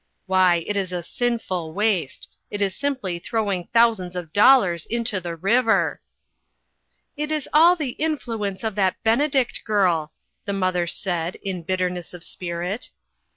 " Why, it is a sinful waste ; it is simply throwing thousands of dollars into the river." "It is all the influence of that Benedict girl," the mother said, in bitterness of spirit.